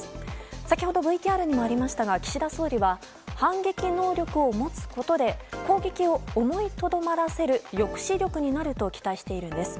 先ほどＶＴＲにもありましたが岸田総理は反撃能力を持つことで攻撃を思いとどまらせる抑止力になると期待しているんです。